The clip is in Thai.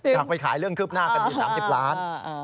ถามไปขายเรื่องคืบหน้ากสิทธิ์๓๐ล้าน